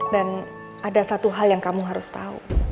dan ada satu hal yang kamu harus tahu